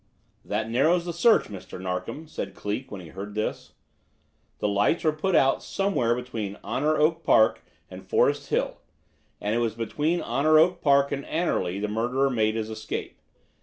"That narrows the search, Mr. Narkom," said Cleek, when he heard this. "The lights were put out somewhere between Honor Oak Park and Forest Hill, and it was between Honor Oak Park and Anerley the murderer made his escape.